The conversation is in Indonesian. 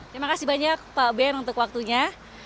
terima kasih banyak pak ben untuk waktunya